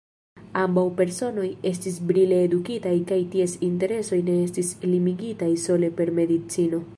Ambaŭ personoj estis brile edukitaj kaj ties interesoj ne estis limigitaj sole per medicino.